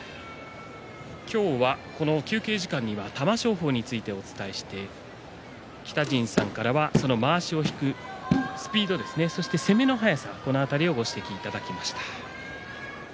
今日は休憩時間には玉正鳳についてお伝えして北陣さんからは、まわしを引くスピード、攻めの速さこの辺りご指摘をいただきました。